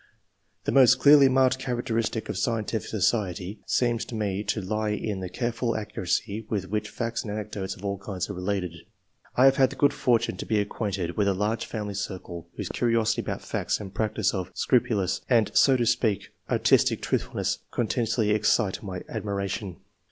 The most clearly marked characteristic of scientific society seems to me to lie in the careful accuracy with which facts and anecdotes of all kinds are related. I have the good fortune to be acquainted with a large family circle whose curiosity about facts and practice of scrupulous and, so to speak, artistic truthfulness continually excite my admi 142 ENGLISH MEN OF SCIENCE. [chap. ration.